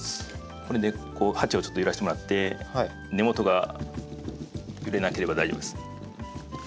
それで鉢をちょっと揺らしてもらって根元が揺れなければ大丈夫です。